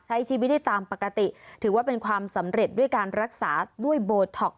ใช้ชีวิตได้ตามปกติถือว่าเป็นความสำเร็จด้วยการรักษาด้วยโบท็อก